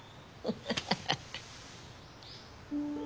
ハハハハ。